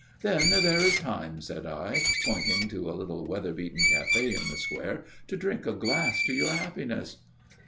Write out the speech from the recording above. "Then there is time," said I, pointing to a little weather beaten café in the square, "to drink a glass to your happiness."